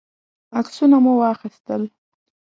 عکسونه مو واخیستل.